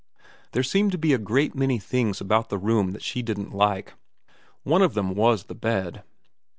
There seemed to be a great many things about the room that she didn't like. One of them was the bed.